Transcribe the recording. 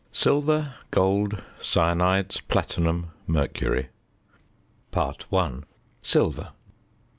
SILVER, GOLD, CYANIDES, PLATINUM, MERCURY. SILVER.